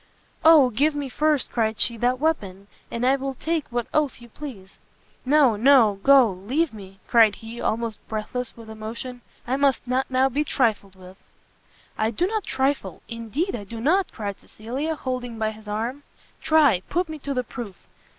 "Oh give me first," cried she, "that weapon, and I will take what oath you please!" "No, no! go, leave me, " cried he, almost breathless with emotion, "I must not now be trifled with." "I do not trifle! indeed I do not!" cried Cecilia, holding by his arm: "try, put me to the proof!"